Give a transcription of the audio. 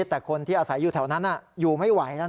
แต่คนที่อาศัยอยู่แถวนั้นอยู่ไม่ไหวแล้ว